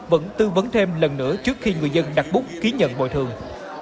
vẫn tư vấn thêm lần nữa trước khi người dân đặt bút ký nhận bồi thường